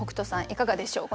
いかがでしょう？